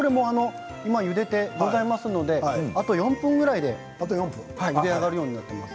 ゆでてございますのであと４分ぐらいでゆで上がるようになっています。